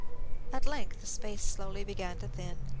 At length the space slowly began to thin.